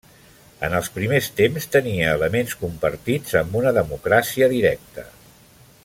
En els primers temps, tenia elements compartits amb una democràcia directa.